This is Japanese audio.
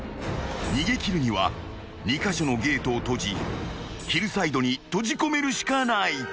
［逃げ切るには２カ所のゲートを閉じヒルサイドに閉じ込めるしかない］